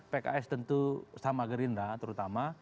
pks tentu sama gerindra terutama